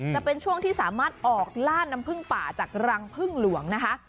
จะเป็นช่วงที่สามารถออกล่าน้ำพึ่งป่าจากรังพึ่งหลวงนะคะ